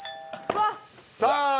さあ